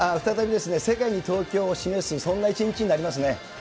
再び、世界に東京を示す、そんな一日になりますね。